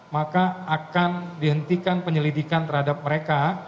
maka akan dihentikan penyelidikan terhadap mereka